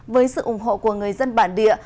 với sự ủng hộ của người dân bản địa